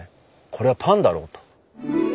これはパンだろうと。